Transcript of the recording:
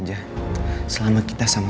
jadi mungkin kamu